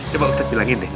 coba ustadz bilangin deh